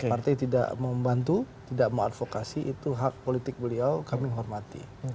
partai tidak membantu tidak mau advokasi itu hak politik beliau kami hormati